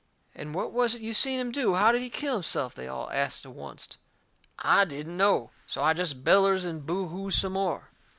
"And what was it you seen him do? How did he kill himself?" they all asts to oncet. I didn't know. So I jest bellers and boo hoos some more.